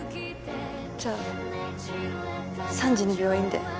じゃあ３時に病院で。